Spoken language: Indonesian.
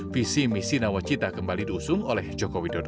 visi misi nawacita kembali diusung oleh jokowi dodo